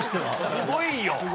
すごいよ！